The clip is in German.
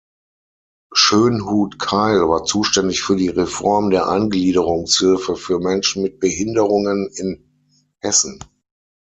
Schönhut-Keil war zuständig für die Reform der Eingliederungshilfe für Menschen mit Behinderungen in Hessen.